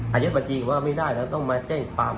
อธิบดีว่าไม่ได้แล้วต้องมาแจ้งความ